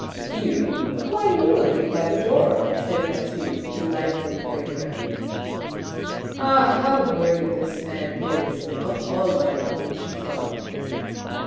"You? Why you will leave by the door," said Mathilde, delighted at the idea. " Ah ! how worthy this man is of all my love," she thought.